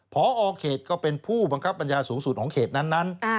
พอเขตก็เป็นผู้บังคับบัญชาสูงสุดของเขตนั้น